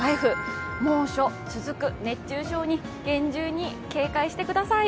猛暑続く、熱中症に厳重に警戒してください。